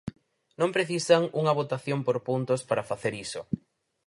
Non precisan unha votación por puntos para facer iso.